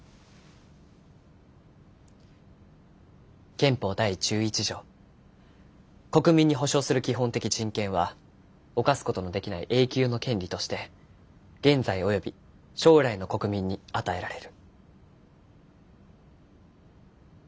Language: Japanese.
憲法第１１条国民に保障する基本的人権は侵す事のできない永久の権利として現在および将来の国民に与えられる。